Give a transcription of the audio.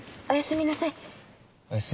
おやすみなさい。